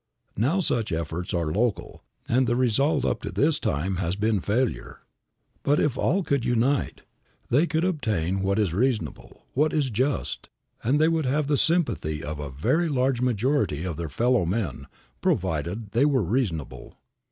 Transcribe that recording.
Now such efforts are local, and the result up to this time has been failure. But, if all could unite, they could obtain what is reasonable, what is just, and they would have the sympathy of a very large majority of their fellow men, provided they were reasonable.